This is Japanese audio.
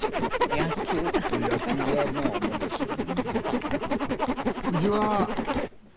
野球がまあ主ですよね。